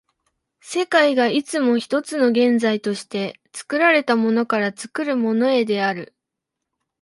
世界がいつも一つの現在として、作られたものから作るものへである。